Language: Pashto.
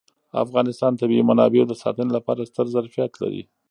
افغانستان د طبیعي منابعو د ساتنې لپاره ستر ظرفیت لري.